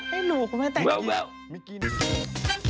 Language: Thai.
ให้หนูก็ไม่ได้แต่งจริง